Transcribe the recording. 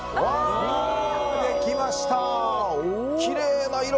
きれいな色。